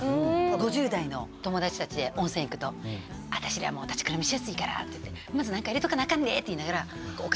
５０代の友達たちで温泉行くと私らもう立ちくらみしやすいからって言ってまず何か入れとかなあかんでって言いながらお菓子食べてます。